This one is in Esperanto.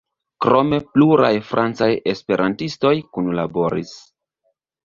Krome pluraj francaj esperantistoj kunlaboris.